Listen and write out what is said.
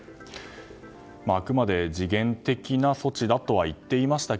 あくまで時限的な措置だとは言っていましたが